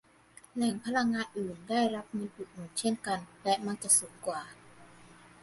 แหล่งพลังงานอื่นได้รับเงินอุดหนุนเช่นกัน แต่มักจะสูงกว่า